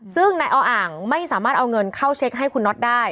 ซึ่งนายออ่างไม่สามารถเอาเงินเข้าเช็คให้คุณน็อตได้